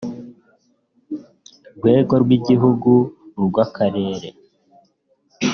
rwego rw igihugu urw akarere